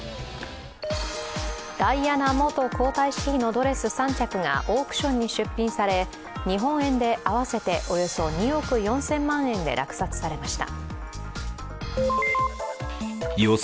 ダイアナ元皇太子妃のドレス３着がオークションに出品され日本円で合わせておよそ２億４０００万円で落札されました。